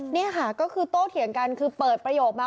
นี่ค่ะก็คือโตเถียงกันคือเปิดประโยคมา